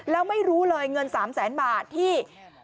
แล้วไม่รู้เลยเงิน๓แสนบาทที่